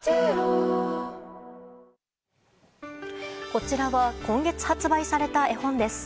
こちらは今月発売された絵本です。